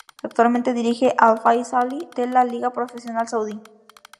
Actualmente dirige al Al-Faisaly de la Liga Profesional Saudí.